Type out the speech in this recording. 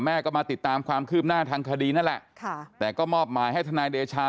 แม่ก็มาติดตามความคืบหน้าทางคดีนั่นแหละค่ะแต่ก็มอบหมายให้ทนายเดชา